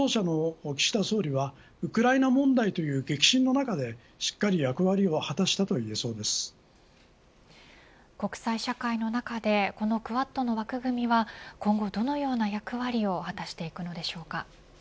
第２走者の岸田総理はウクライナ問題という激震の中でしっかり役割を国際社会の中でこのクアッドの枠組みは今後どのような役割を果たしていくのでしょうか。